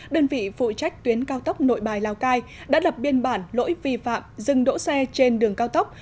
đơn vị phụ trách tuyến cao tốc nội bài lào cai đã lập biên bản lỗi vi phạm dừng đỗ xe trên đường cao tốc